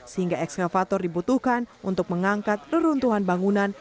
sehingga ekskavator dibutuhkan untuk mengangkat reruntuhan bangunan